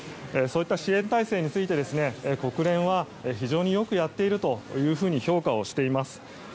そういった支援態勢について国連は非常によくやっていると評価をしています。